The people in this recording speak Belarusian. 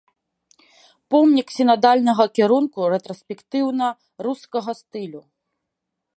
Помнік сінадальнага кірунку рэтраспектыўна-рускага стылю.